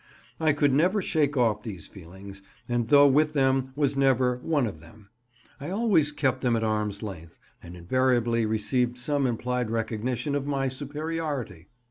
I could never shake off these feelings, and though with them, was never "one of them." I always kept them at arms' length, and invariably received some implied recognition of my superiority.